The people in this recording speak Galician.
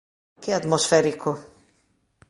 Que atmosférico!